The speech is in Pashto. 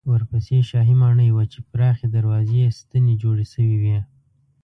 ورپسې شاهي ماڼۍ وه چې پراخې دروازې یې ستنې جوړې شوې وې.